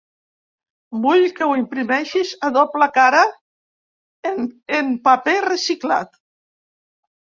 Vull que ho imprimeixis a doble cara, en paper reciclat.